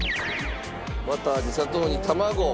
バターに砂糖に卵。